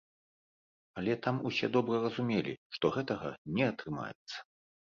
Але там усе добра разумелі, што гэтага не атрымаецца.